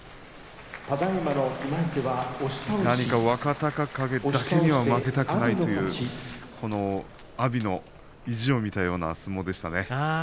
何か若隆景だけには負けたくないという阿炎の意地を見たような相撲でしたね。